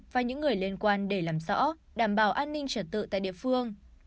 và những người liên quan để làm rõ đảm bảo an ninh trật tự tại địa phương